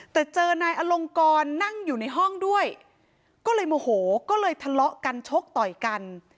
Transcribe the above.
แต่เจอนายอลงกรนั่งอยู่ในห้องด้วยก็เลยโมโหก็เลยทะเลาะกันชกต่อยกัน